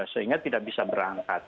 sehingga tidak bisa berangkat